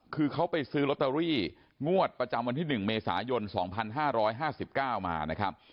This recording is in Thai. คือเขาไปซื้อลอตเตอรี่งวดประจำวันที่๑เมษายน๒๕๕๙มานะครับ